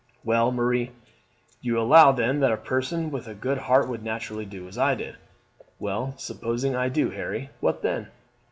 "Well, Marie, you allow then that a person with a good heart would naturally do as I did." "Well, supposing I do, Harry, what then?"